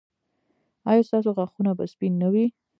ایا ستاسو غاښونه به سپین نه وي؟